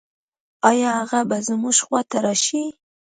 آيا هغه به زموږ خواته راشي؟